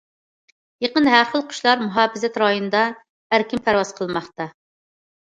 يېقىندا، ھەر خىل قۇشلار مۇھاپىزەت رايونىدا ئەركىن پەرۋاز قىلماقتا.